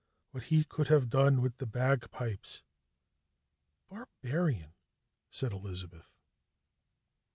"What he could have done with the bagpipes!" "Barbarian," said Elizabeth.